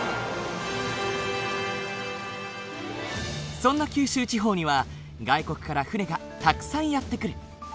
そんな九州地方には外国から船がたくさんやって来る。